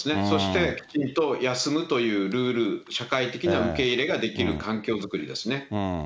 そして休むというルール、社会的な受け入れができる環境作りです